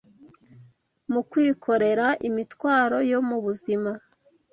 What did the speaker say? mu kwikorera imitwaro yo mu buzima